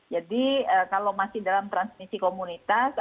jadi kalau masih dalam transmisi komunitas